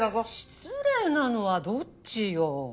失礼なのはどっちよ。